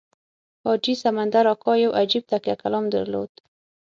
حاجي سمندر اکا یو عجیب تکیه کلام درلود.